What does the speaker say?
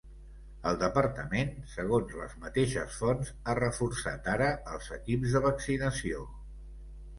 El departament, segons les mateixes fonts, ha reforçat ara els equips de vaccinació.